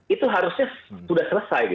itu harusnya sudah selesai